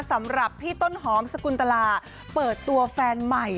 สำหรับพี่ต้นหอมสกุลตลาเปิดตัวแฟนใหม่